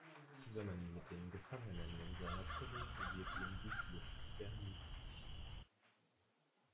Zusammen mit den Gefangenen in seiner Zelle wird ihm die Flucht ermöglicht.